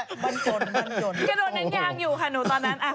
ม๒มยนต์ก็โดนแกงอยู่ค่ะหนูตอนนั้น